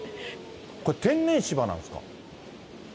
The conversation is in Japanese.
これ、天然芝なんですか。